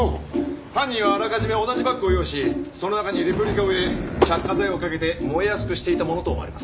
犯人はあらかじめ同じバッグを用意しその中にレプリカを入れ着火剤をかけて燃えやすくしていたものと思われます。